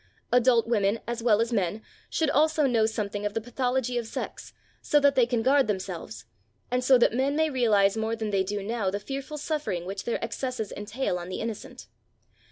Adult women, as well as men, should also know something of the pathology of sex, so that they can guard themselves, and so that men may realise more than they do now the fearful suffering which their excesses entail on the innocent.